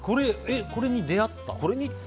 これに出会った？